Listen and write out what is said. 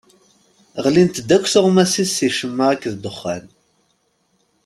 Ɣlint-d akk tuɣmas-is si ccemma akked ddexxan.